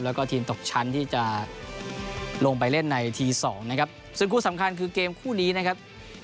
แล้วก็ทีมตกชั้นที่จะลงไปเล่นในทีสองนะครับซึ่งคู่สำคัญคือเกมคู่นี้นะครับ